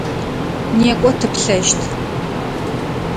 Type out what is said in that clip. Некӏо тыплъэщт!